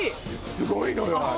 すごいのよあれ！